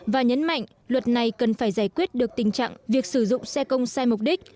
và nhấn mạnh luật này cần phải giải quyết được tình trạng việc sử dụng xe công sai mục đích